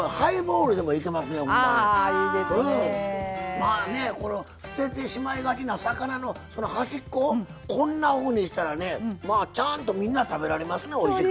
まあねこの捨ててしまいがちな魚のその端っここんなふうにしたらねちゃんとみんな食べられますねおいしく。